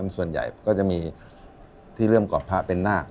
ส่วนใหญ่ก็จะมีที่เริ่มกรอบพระเป็นนาค